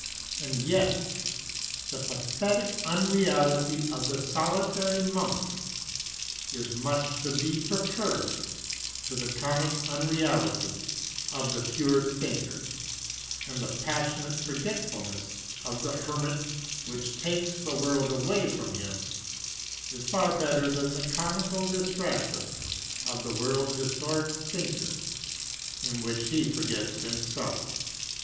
And yet, the pathetic unreality of the solitary monk is much to be preferred to the comic unreality of the pure thinker; and the passionate forgetfulness of the hermit, which takes the world away from him, is far better than the comical distraction of the world historic thinker, in which he forgets himself."